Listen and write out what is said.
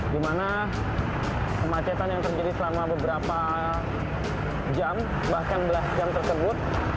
di mana kemacetan yang terjadi selama beberapa jam bahkan belas jam tersebut